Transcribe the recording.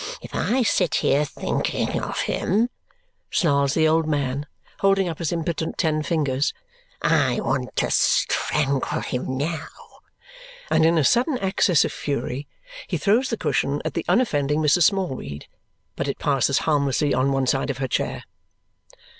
If I sit here thinking of him," snarls the old man, holding up his impotent ten fingers, "I want to strangle him now." And in a sudden access of fury, he throws the cushion at the unoffending Mrs. Smallweed, but it passes harmlessly on one side of her chair.